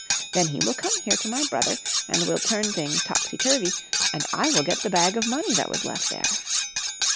Then he will come here to my brother and will turn things topsy turvy, and I will get the bag of money that was left there."